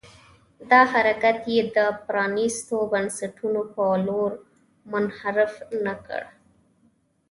دا حرکت یې د پرانيستو بنسټونو په لور منحرف نه کړ.